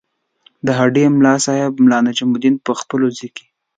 د هډې د ملاصاحب ملا نجم الدین په ځپلو کې.